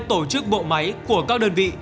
tổ chức bộ máy của các đơn vị